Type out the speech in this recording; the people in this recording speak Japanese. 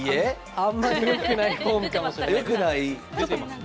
あんまりよくないフォームかもしれません。